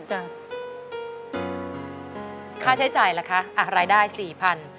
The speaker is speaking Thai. จ้ะค่าใช้จ่ายเหรอคะรายได้๔๐๐๐บาท